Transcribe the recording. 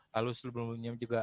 lalu sebelumnya juga